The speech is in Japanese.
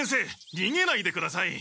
にげないでください。